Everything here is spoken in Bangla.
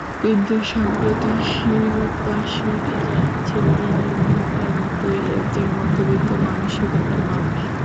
কিন্তু সম্প্রতি শিল্পা শেঠি জানিয়েছেন, তিনি নিতান্তই একজন মধ্যবিত্ত মানসিকতার মানুষ।